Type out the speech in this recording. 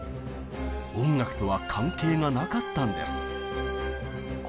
音楽とは関係がなかったんです。